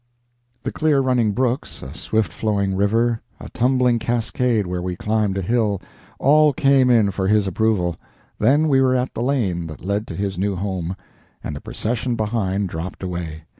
The clear running brooks, a swift flowing river, a tumbling cascade where we climbed a hill, all came in for his approval then we were at the lane that led to his new home, and the procession behind dropped away.